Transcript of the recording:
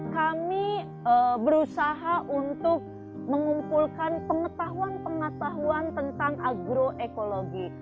kami berusaha untuk mengumpulkan pengetahuan pengetahuan tentang agroekologi